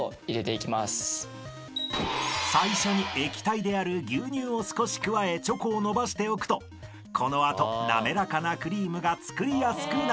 ［最初に液体である牛乳を少し加えチョコをのばしておくとこの後滑らかなクリームが作りやすくなります］